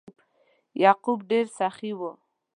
یعقوب ډیر سخي و.